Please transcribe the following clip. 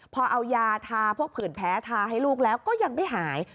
พอเอายาทาพวกผื่นแพ้ทาให้ลูกแล้วก็ยังไม่หาย